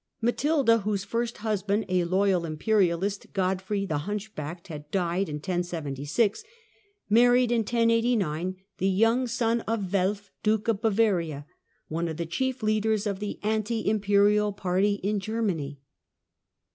Matilda, whose first husband, a loyal imperialist, Godfrey the Hunchbacked, had died in 1076, married in 1089 the young son of Welf, Duke of Bavaria, one of the chief leaders of the anti imperial party in Germany.